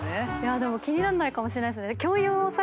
でも気になんないかもしれない。